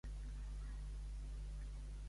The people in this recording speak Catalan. Bé és presoner qui presoners guarda.